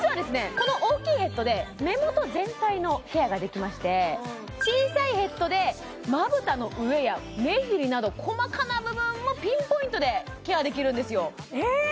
この大きいヘッドで目元全体のケアができまして小さいヘッドでまぶたの上や目尻など細かな部分もピンポイントでケアできるんですよえ